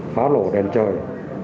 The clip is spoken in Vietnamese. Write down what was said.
phá lổ đèn trời